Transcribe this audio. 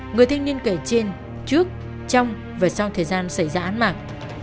người thanh niên kể trên trước trong và sau thời gian xảy ra án mạng